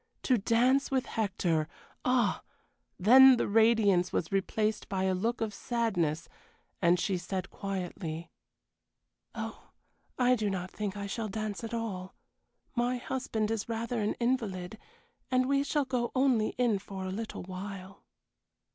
To dance with Hector! Ah! Then the radiance was replaced by a look of sadness, and she said, quietly: "Oh, I do not think I shall dance at all. My husband is rather an invalid, and we shall only go in for a little while."